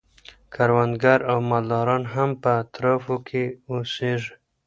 کروندګر او مالداران هم په اطرافو کي اوسیږي.